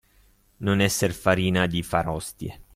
Non esser farina di far ostie.